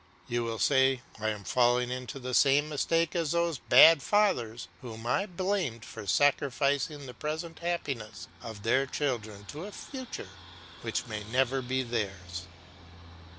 You will say I am falling into the same mistake as those bad fathers whom I blamed for sacrificing the present happiness of their children to a future which may never be theirs.